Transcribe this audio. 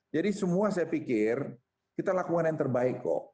jadi semua saya pikir kita lakukan yang terbaik kok